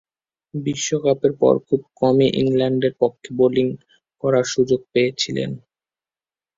বিশ্বকাপের পর খুব কমই ইংল্যান্ডের পক্ষে বোলিং করার সুযোগ পেয়েছিলেন।